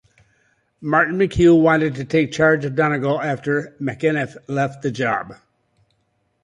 Martin McHugh wanted to take charge of Donegal after McEniff left the job.